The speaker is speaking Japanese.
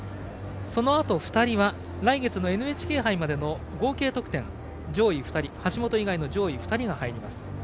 そのあと２人は来月のＮＨＫ杯までの合計得点で橋本以外の上位２人が入ります。